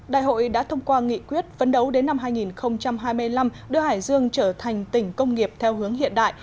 đại hội đã thông qua nghị quyết vấn đấu đến năm hai nghìn hai mươi năm đưa hải dương trở thành tỉnh công nghiệp theo hướng hiện đại